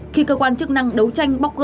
khi cơ quan chức năng đấu tranh bóc gỡ